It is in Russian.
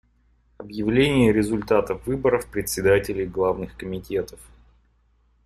Объявление результатов выборов председателей главных комитетов.